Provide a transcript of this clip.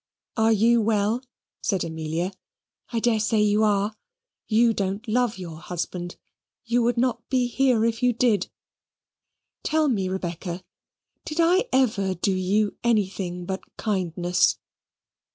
"Are you well?" said Amelia. "I dare say you are. You don't love your husband. You would not be here if you did. Tell me, Rebecca, did I ever do you anything but kindness?"